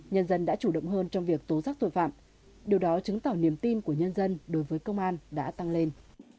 nhân dân đã chủ động hơn trong việc tố giác tội phạm điều đó chứng tỏ niềm tin của nhân dân đối với công an đã tăng lên